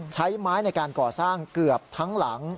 ใช้ไม้ในการก่อสร้างเกือบทั้งหลัง